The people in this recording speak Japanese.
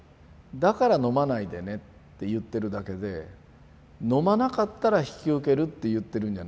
だから飲まないでねって言ってるだけで飲まなかったら引き受けるって言ってるんじゃないんです。